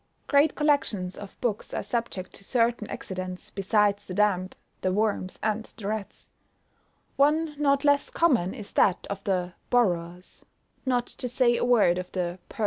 Great collections of books are subject to certain accidents besides the damp, the worms, and the rats; one not less common is that of the borrowers, not to say a word of the purloiners!